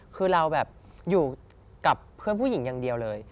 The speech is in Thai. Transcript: คือเราแบบอยู่กับเพื่อนผู้หญิงอย่างเดียวเลย